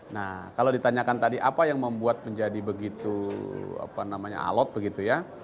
nah kalau ditanyakan tadi apa yang membuat menjadi begitu alot begitu ya